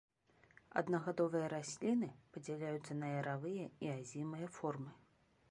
Аднагадовыя расліны падзяляюцца на яравыя і азімыя формы.